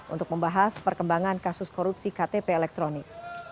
untuk membahas perkembangan kasus korupsi ktp elektronik